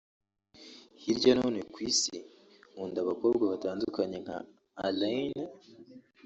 Hirya no hino ku isi nkunda abakobwa batandukanye nka Alaine